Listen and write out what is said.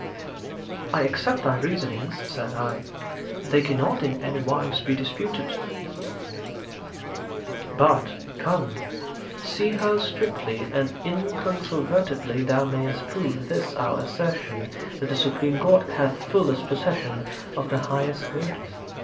'I accept thy reasonings,' said I; 'they cannot in any wise be disputed.' 'But, come, see how strictly and incontrovertibly thou mayst prove this our assertion that the supreme Godhead hath fullest possession of the highest good.'